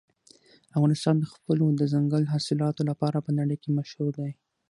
افغانستان د خپلو دځنګل حاصلاتو لپاره په نړۍ کې مشهور دی.